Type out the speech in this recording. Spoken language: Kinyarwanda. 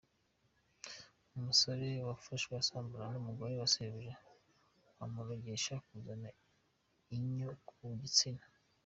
Umusore yafashwe asambana n’umugore wa Sebuja amurogesha kuzana inyo ku gitsina .